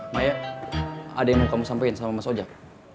maya ada yang mau kamu sampaikan sama mas ojar